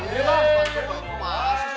bantuan itu mas